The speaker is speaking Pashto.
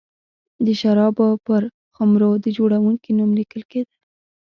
د شرابو پر خُمرو د جوړوونکي نوم لیکل کېده.